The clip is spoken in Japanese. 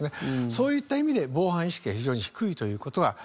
そういった意味で防犯意識が非常に低いという事がいえます。